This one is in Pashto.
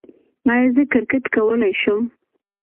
ایا زه کرکټ کولی شم؟